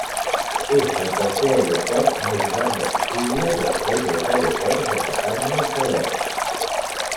És el tercer aeroport més gran de Sicília, després dels aeroports de Catània i Palerm.